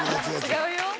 違うよ。